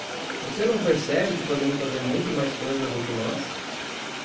Você não percebe que podemos fazer muito mais coisas do que nós?